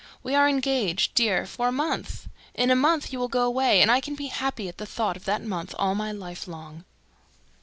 ... We are engaged, dear, for a month! In a month, you will go away, and I can be happy at the thought of that month all my life long!"